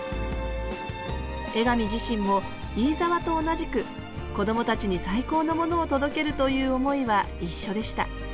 江上自身も飯沢と同じくこどもたちに最高のものを届けるという思いは一緒でした